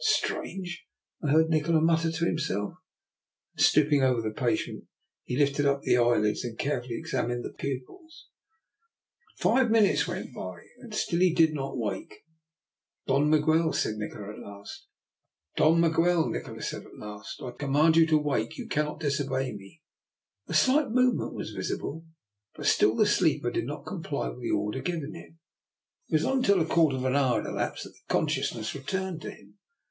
" Strange," I heard Nikola mutter to him self, and stooping over the patient he lifted the eyelids and carefully examined the pupils. DR. NIKOLA'S EXPERIMENT. 289 Five minutes went by, and still he did not wake. " Don Miguel," said Nikola at last, " I command you to wake. You cannot dis obey me." A slight movement was visible, but still the sleeper did not comply with the order given him. It was not until a quarter of an hour had elapsed that consciousness returned to him.